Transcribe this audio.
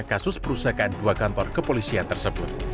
kasus perusahaan dua kantor kepolisian tersebut